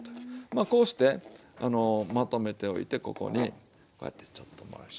まあこうしてまとめておいてここにこうやってちょっと。